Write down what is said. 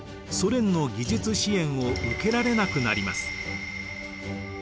ソ連の技術支援を受けられなくなります。